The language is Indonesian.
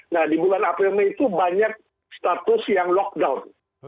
nah di bulan april mei itu banyak status yang lockdown